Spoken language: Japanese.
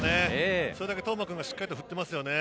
それだけ當間君がしっかりと振ってますね。